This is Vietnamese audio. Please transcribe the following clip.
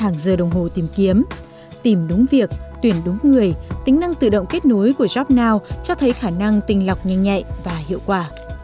hàng giờ đồng hồ tìm kiếm tìm đúng việc tuyển đúng người tính năng tự động kết nối của jobnow cho thấy khả năng tình lọc nhanh nhẹ và hiệu quả